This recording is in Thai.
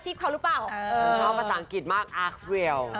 ชอบภาษาอังกฤษมากอากส์เวียว